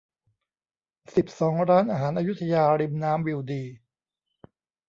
สิบสอง ร้านอาหารอยุธยา ริมน้ำ วิวดี